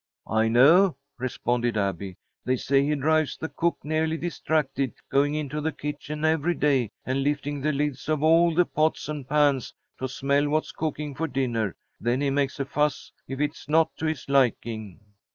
"I know," responded Abby. "They say he drives the cook nearly distracted, going into the kitchen every day and lifting the lids off all the pots and pans to smell what's cooking for dinner. Then he makes a fuss if it's not to his liking."